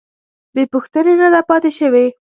بې پوښتنې نه ده پاتې شوې.